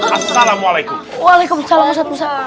assalamualaikum waalaikumsalam ustadz musa